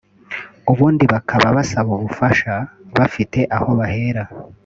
ubundi bakaba basaba ubufasha bafite aho bahera